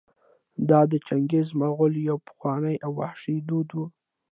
دا د چنګېزي مغولو یو پخوانی او وحشي دود و.